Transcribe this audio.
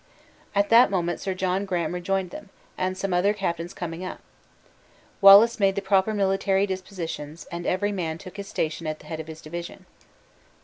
At that moment Sir John Graham rejoined them; and some other captains coming up. Wallace made the proper military dispositions, and every man took his station at the head of his division.